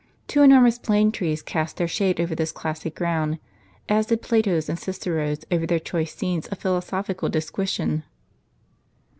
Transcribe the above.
Two enormous plane trees cast their shade over this classic ground, as did Plato's and Cicero's over their choice scenes of philo sophical disquisition.